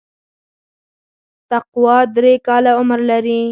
تقوا درې کاله عمر لري.